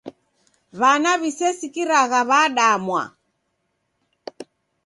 W'ana w'isesikiragha w'adamwa.